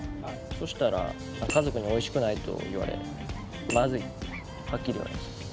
そしたら家族に「美味しくない」と言われ「まずい」ってはっきり言われました。